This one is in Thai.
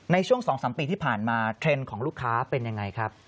ในช่วง๒๓ปีที่ผ่านมาเทรนด์ของลูกค้าเป็นยังไงครับ